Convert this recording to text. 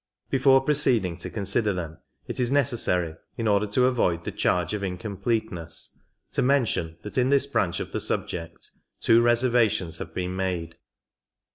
Before proceeding to consider them it is necessary, in order to avoid the charge of incompleteness, to mention that in this branch of the subject two reservations have been made.